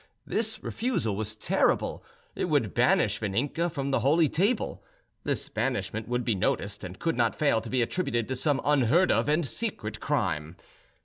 This refusal was terrible: it would banish Vaninka from the Holy Table; this banishment would be noticed, and could not fail to be attributed to some unheard of and secret crime.